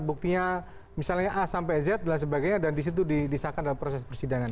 buktinya misalnya a sampai z dan sebagainya dan disitu disahkan dalam proses persidangan